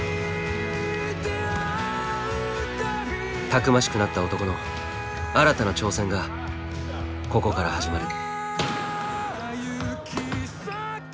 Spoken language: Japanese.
たくましくなった男の新たな挑戦がここから始まる。